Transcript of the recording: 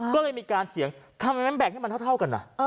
ก็เลยมีการเถียงทำไมมันแบ่งให้มันเท่ากัน